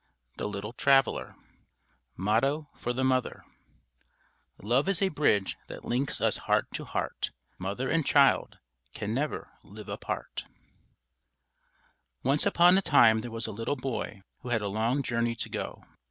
THE LITTLE TRAVELER MOTTO FOR THE MOTHER Love is a bridge that links us heart to heart Mother and child can never live apart Once upon a time there was a little boy who had a long journey to go.